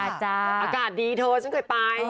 อากาศดีเธอฉันเคยไป